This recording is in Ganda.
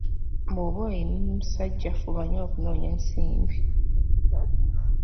Bw’oba oli musajja fuba nnyo okunoonya nsimbi.